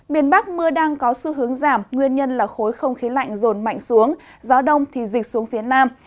miền bắc mưa đang có xu hướng giảm nguyên nhân là khối không khí lạnh rồn mạnh xuống gió đông thì dịch xuống phía nam